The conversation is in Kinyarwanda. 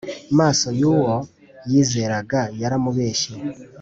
maso y Uwo yizeraga yaramubeshye